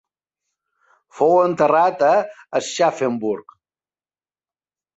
Fou enterrat a Aschaffenburg.